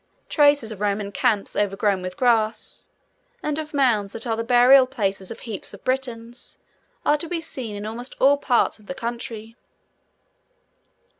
Traces of Roman camps overgrown with grass, and of mounds that are the burial places of heaps of Britons, are to be seen in almost all parts of the country.